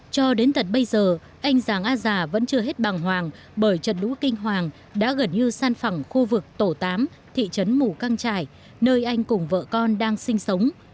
cho đến tận bây giờ anh giàng a già vẫn chưa hết bằng hoàng bởi trận lũ kinh hoàng đã gần như san phẳng khu vực tổ tám thị trấn mù căng trải nơi anh cùng vợ con đang sinh sống